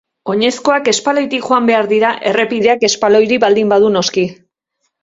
Oinezkoak espaloitik joan behar dira errepideak espaloirik baldin badu noski.